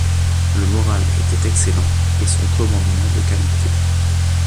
Le moral était excellent et son commandement de qualité.